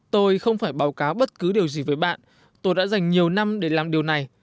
tôi không phải báo cáo bất cứ điều gì với bạn tôi đã dành nhiều năm để làm điều này